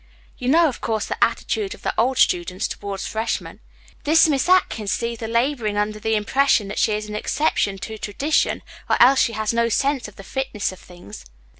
"You know, of course, the attitude of the old students toward freshmen. This Miss Atkins is either laboring under the impression that she is an exception to tradition, or else she has no sense of the fitness of things.